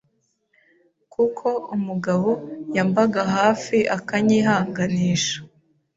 kuko umugabo yambaga hafi akanyihanganisha